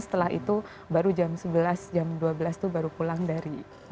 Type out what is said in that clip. setelah itu baru jam sebelas jam dua belas itu baru pulang dari laboratorium lah istilahnya sekolah